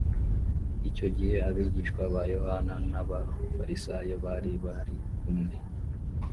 icyo gihe abigishwa ba yohana n ab abafarisayo bari barikumwe